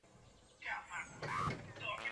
هغه برخې چې کوچنۍ دي هم مهمې دي.